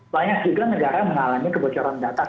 banyak juga negara yang mengalami kebocoran data